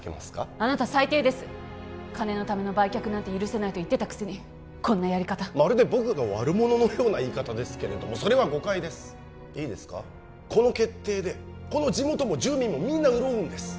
あなた最低です金のための売却なんて許せないと言ってたくせにこんなやり方まるで僕が悪者のような言い方ですけれどそれは誤解ですいいですかこの決定でこの地元も住民もみんな潤うんです